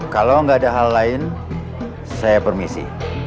kalau nggak ada hal lain saya permisi